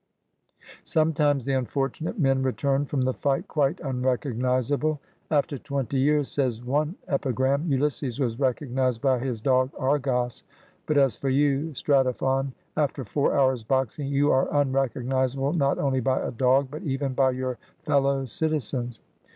Sometimes the unfortunate men returned from the fight quite unrecognizable. "After twenty years," says one epigram, ''Ulysses was recognized by his dog Argos; but as for you. Stratophon, after four hours' boxing you are unrecognizable not only by a dog, but even by your fellow citizens.